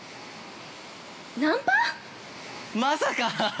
◆まさか！